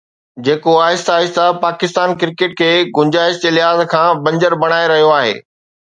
جيڪو آهستي آهستي پاڪستان ڪرڪيٽ کي گنجائش جي لحاظ کان بنجر بڻائي رهيو آهي.